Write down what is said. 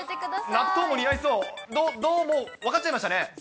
納豆も似合いそう、どうも分かっちゃいましたね。